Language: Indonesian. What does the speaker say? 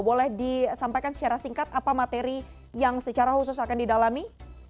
boleh disampaikan secara singkat apa materi yang secara khusus akan didalami